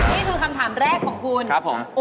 นี่คือคำถามแรกของคุณ